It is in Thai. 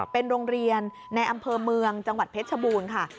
เป็นโรงเรียนในอำเภอเมืองจังหวัดเพชรชบูรณ์ค่ะ